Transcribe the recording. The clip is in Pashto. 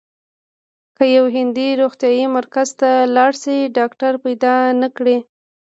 که یو هندی روغتیايي مرکز ته لاړ شي ډاکټر پیدا نه کړي.